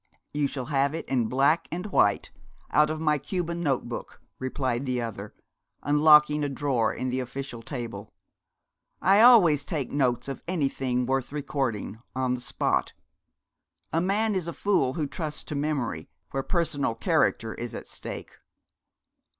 'You shall have it in black and white, out of my Cuban note book,' replied the other, unlocking a drawer in the official table; 'I always take notes of anything worth recording, on the spot. A man is a fool who trusts to memory, where personal character is at stake.